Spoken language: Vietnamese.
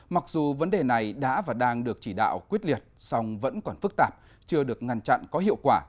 mặc dù vấn đề này đã và đang được chỉ đạo quyết liệt song vẫn còn phức tạp chưa được ngăn chặn có hiệu quả